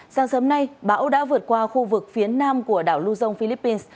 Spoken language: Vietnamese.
sáng sớm nay bão đã vượt qua khu vực phía nam của đảo lưu dông philippines